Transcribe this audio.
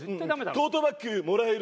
「トートバッグもらえる」。